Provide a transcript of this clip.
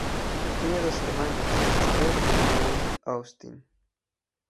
Tiene dos hermanas: Esther y Naomi Austin.